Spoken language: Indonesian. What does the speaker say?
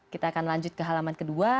kita akan lanjut ke halaman kedua